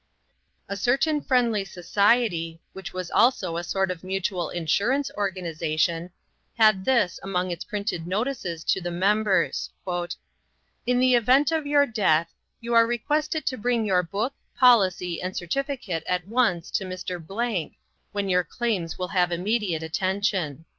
A certain friendly society, which was also a sort of mutual insurance organization, had this among its printed notices to the members: "In the event of your death, you are requested to bring your book, policy, and certificate at once to Mr. , when your claims will have immediate attention."